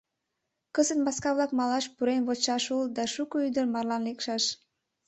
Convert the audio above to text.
Кызыт маска-влак малаш пурен вочшаш улыт да шуко ӱдыр марлан лекшаш.